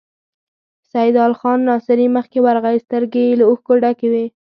سيدال خان ناصري مخکې ورغی، سترګې يې له اوښکو ډکې وې.